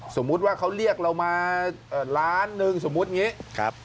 สมมุติว่าเขาเรียกเรามาล้านหนึ่งสมมุติอย่างนี้